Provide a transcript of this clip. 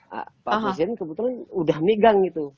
pak presiden kebetulan udah megang gitu